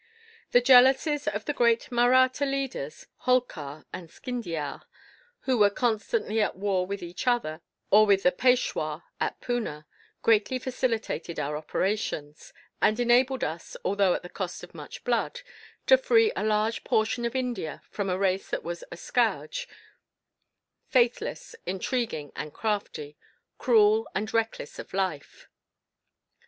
The jealousies of the great Mahratta leaders, Holkar and Scindia, who were constantly at war with each other, or with the Peishwa at Poona, greatly facilitated our operations; and enabled us, although at the cost of much blood, to free a large portion of India from a race that was a scourge faithless, intriguing and crafty; cruel, and reckless of life.